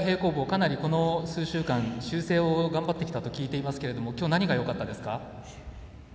かなりこの数週間修正を頑張ってきたと聞いていますけれどもきょう何がよかったですか？